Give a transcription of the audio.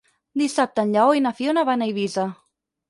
Dissabte en Lleó i na Fiona van a Eivissa.